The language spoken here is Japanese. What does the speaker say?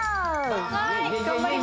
はい！